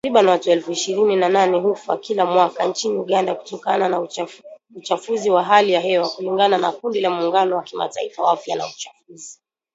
Takriban watu elfu ishirini na nane hufa kila mwaka nchini Uganda kutokana na uchafuzi wa hali ya hewa kulingana na kundi la Muungano wa Kimataifa wa Afya na Uchafuzi